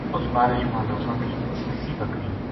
اس بارش ما لوکاں کی اسی بکری